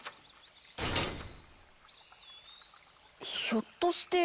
ひょっとして。